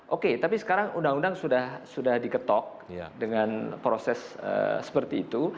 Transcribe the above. oke tapi sekarang undang undang sudah diketok dengan proses seperti itu